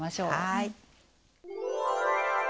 はい。